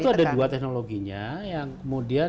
solar panel itu ada dua teknologinya